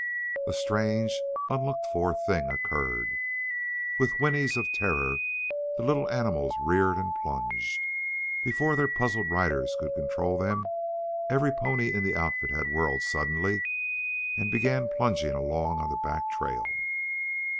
A strange, unlooked for thing occurred. With whinnies of terror the little animals reared and plunged. Before their puzzled riders could control them every pony in the outfit had whirled suddenly and began plunging along on the back trail.